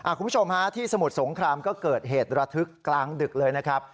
คุณผู้ชมฮะที่สมุทรสงครามก็เกิดเหตุระทึกกลางดึกเลยนะครับ